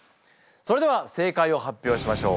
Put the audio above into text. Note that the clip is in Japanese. それでは正解を発表しましょう。